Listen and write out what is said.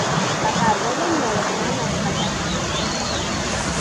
Կատարվել են նորոգման աշխատանքներ։